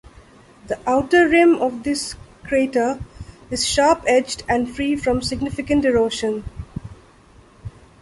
The outer rim of this crater is sharp-edged and free from significant erosion.